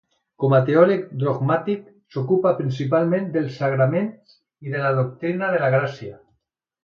Com a teòleg dogmàtic s'ocupà principalment dels sagraments i de la doctrina de la gràcia.